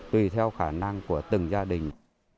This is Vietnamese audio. tùy theo khả năng của từng gia đình